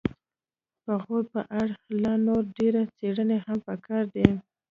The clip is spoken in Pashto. د غور په اړه لا نورې ډېرې څیړنې هم پکار دي